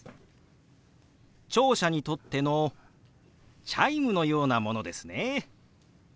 聴者にとってのチャイムのようなものですね。